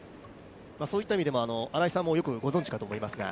そういった意味でも新井さんもよくご存じかと思いますが。